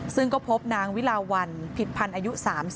ซึ่งก็พบนางวิลาวันผิดพันธ์อายุ๓๐